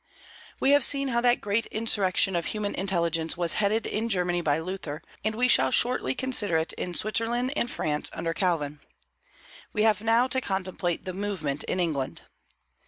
We have seen how that great insurrection of human intelligence was headed in Germany by Luther, and we shall shortly consider it in Switzerland and France under Calvin. We have now to contemplate the movement in England.